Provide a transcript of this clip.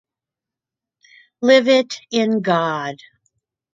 Live it in God.